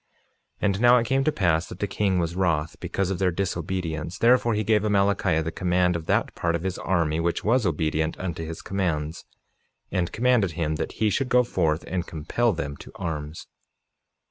47:3 And now it came to pass that the king was wroth because of their disobedience; therefore he gave Amalickiah the command of that part of his army which was obedient unto his commands, and commanded him that he should go forth and compel them to arms.